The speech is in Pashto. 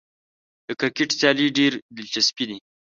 د کرکټ سیالۍ ډېرې دلچسپې دي.